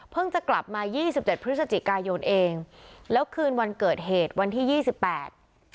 จะกลับมายี่สิบเจ็ดพฤศจิกายนเองแล้วคืนวันเกิดเหตุวันที่ยี่สิบแปด